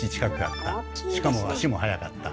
しかも足も速かった。